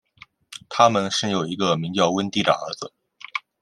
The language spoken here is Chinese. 他们生有一个名叫温蒂的儿子。